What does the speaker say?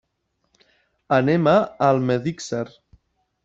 Anem a Almedíxer.